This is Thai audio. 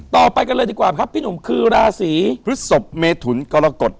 ต่อไปกันเลยดีกว่าครับพี่หนุ่มคือราศีพฤศพเมถุนกรกฎ